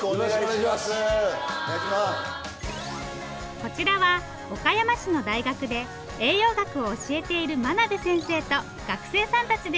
こちらは岡山市の大学で栄養学を教えている眞鍋先生と学生さんたちです。